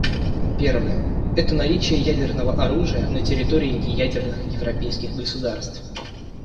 Первая — это наличие ядерного оружия на территории неядерных европейских государств.